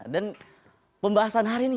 dan pembahasan hari ini